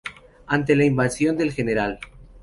Ante la invasión del Gral.